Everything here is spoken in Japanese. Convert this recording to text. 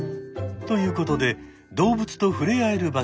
ということで動物と触れ合える場所に向かうことに。